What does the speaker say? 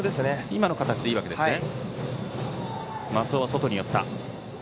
今の形でいいわけですね。